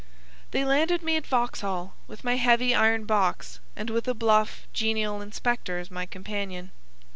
They landed me at Vauxhall, with my heavy iron box, and with a bluff, genial inspector as my companion.